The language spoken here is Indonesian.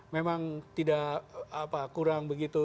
memang tidak kurang begitu